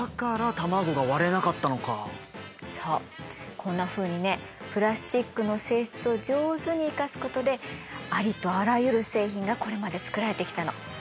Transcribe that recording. こんなふうにねプラスチックの性質を上手に生かすことでありとあらゆる製品がこれまで作られてきたの。